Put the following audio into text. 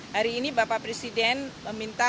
hari ini bapak presiden meminta